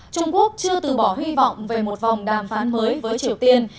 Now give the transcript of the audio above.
trung quốc chưa từ bỏ hy vọng về một vòng đàm phán mới với triều tiên